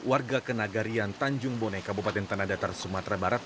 warga ke nagarian tanjung bonai kabupaten tanah datar sumatera barat